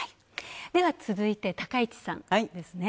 では、続いて、高市さんですね。